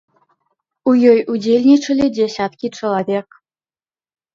У ёй удзельнічалі дзясяткі чалавек.